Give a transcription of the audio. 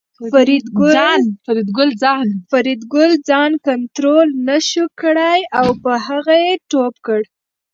فریدګل ځان کنترول نشو کړای او په هغه یې ټوپ کړ